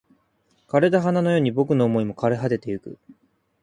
枯れた花のように僕の想いも枯れ果ててゆく